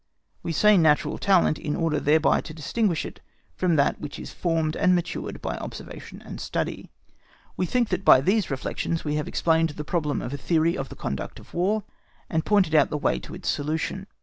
We say natural talent, in order thereby to distinguish it from that which is formed and matured by observation and study. We think that by these reflections we have explained the problem of a theory of the conduct of War; and pointed out the way to its solution.